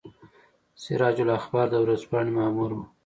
سراج الاخبار د ورځپاڼې مامور وو.